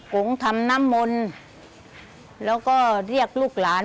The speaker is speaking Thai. ผมทำน้ำมนต์แล้วก็เรียกลูกหลาน